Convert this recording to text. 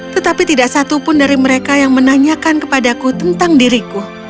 tetapi tidak satupun dari mereka yang menanyakan kepadaku tentang diriku